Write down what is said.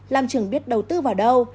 lam trường biết đầu tư vào đâu